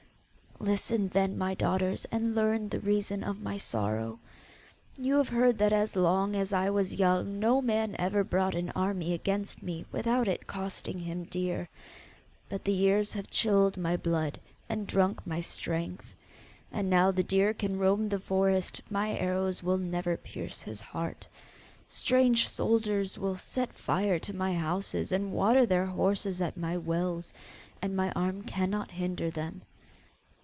'Listen then, my daughters, and learn the reason of my sorrow. You have heard that as long as I was young no man ever brought an army against me without it costing him dear. But the years have chilled my blood and drunk my strength. And now the deer can roam the forest, my arrows will never pierce his heart; strange soldiers will set fire to my houses and water their horses at my wells, and my arm cannot hinder them.